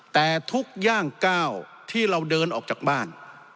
แต่ทุกย่างก้าวที่เราเดินออกจากบ้าน